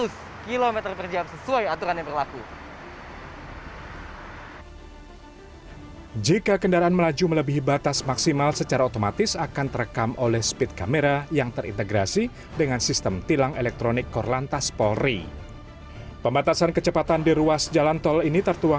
sejumlah pengendara menanggapi positif